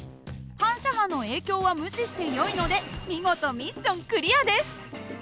反射波の影響は無視してよいので見事ミッションクリアです。